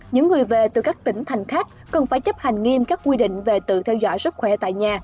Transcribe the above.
những người về từ các tỉnh thành khác cần phải chấp hành nghiêm các quy định về tự theo dõi sức khỏe tại nhà